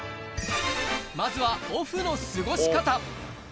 まずはオフの過ごし方。